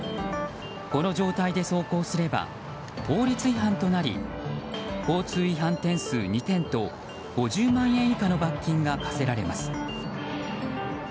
この状態で走行すれば法律違反となり交通違反点数２点と５０万円以下の罰金が科せられます。